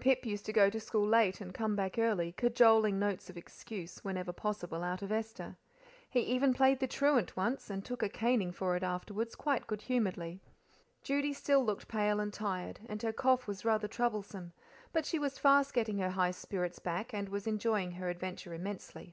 Pip used to go to school late and come back early, cajoling notes of excuse, whenever, possible, out of Esther. He even played the truant once, and took a caning for it afterwards quite good humouredly. Judy still looked pale and tired, and her cough was rather troublesome; but she was fast getting her high spirits back, and was enjoying her adventure immensely.